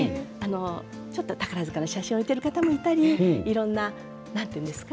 ちょっと宝塚の写真を置いている方もいたりいろいろななんて言うんですか？